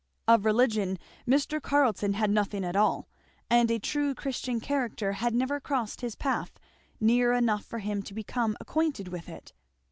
Of religion Mr. Carleton had nothing at all, and a true Christian character had never crossed his path near enough for him to become acquainted with it.